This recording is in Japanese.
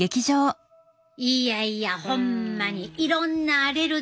いやいやホンマにいろんなアレルギーがあんねんな。